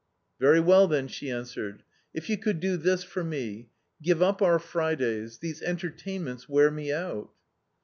" Very well, then," she answered ;" if you could do this for me .... give up our Fridays .... these entertain ments wear me out."